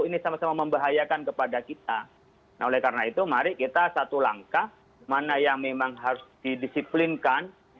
nah oleh karena itu mari kita satu langkah mana yang memang harus didisiplinkan